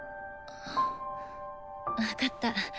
分かった。